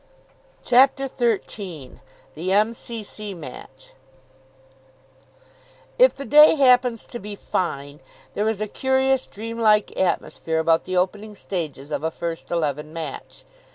CHAPTER XIII THE M.C.C. MATCH If the day happens to be fine, there is a curious, dream like atmosphere about the opening stages of a first eleven match.